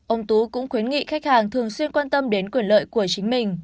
ông tú cũng khuyến nghị khách hàng thường xuyên quan tâm đến quyền lợi của chính mình